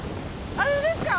あれですか？